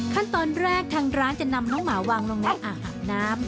ขั้นตอนแรกทางร้านจะนำน้องหมาวางลงในอ่างอาบน้ำ